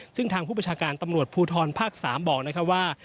ซึ่งทางผู้ประชาการตำรวจภูทรภาค๓บอกนะครับว่า